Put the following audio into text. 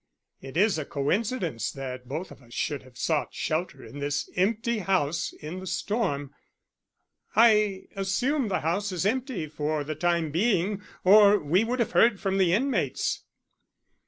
"It is a coincidence that both of us should have sought shelter in this empty house in the storm I assume the house is empty for the time being or we would have heard from the inmates.